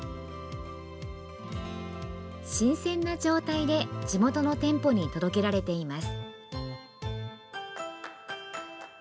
新鮮な状態で地元の店舗に届けられています。